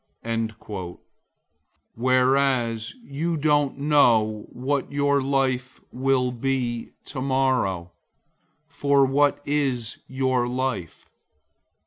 004:014 Whereas you don't know what your life will be like tomorrow. For what is your life?